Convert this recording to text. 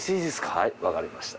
はいわかりました。